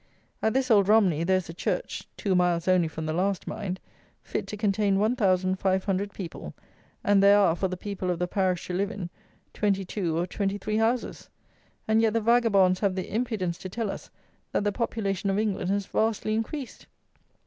At this Old Romney there is a church (two miles only from the last, mind!) fit to contain one thousand five hundred people, and there are, for the people of the parish to live in, twenty two, or twenty three, houses! And yet the vagabonds have the impudence to tell us that the population of England has vastly increased!